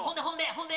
ほんで？